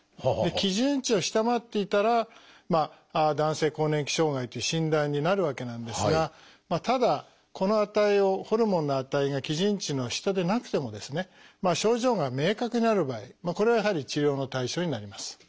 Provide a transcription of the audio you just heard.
基準値を下回っていたら「男性更年期障害」という診断になるわけなんですがただこの値をホルモンの値が基準値の下でなくてもですね症状が明確にある場合これはやはり治療の対象になります。